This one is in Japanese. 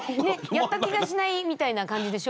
やった気がしないみたいな感じでしょ？